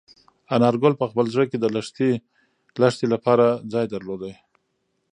انارګل په خپل زړه کې د لښتې لپاره ځای درلود.